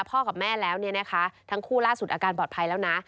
พ่อกับแม่แล้วทั้งคู่ล่าสุดอาการปลอดภัยแล้วนะ